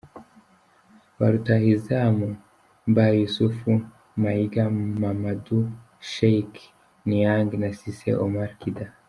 Ba rutahizamu: M’Baye Youssouf , Maiga Mamadou, Cheikh Niang na Cissé Oumar Kida.